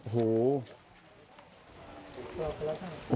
โอ้โฮ